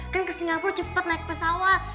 kan ke singapura cepet naik pesawat